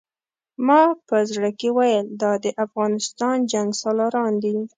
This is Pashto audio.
ما په زړه کې ویل دا د افغانستان جنګسالاران دي.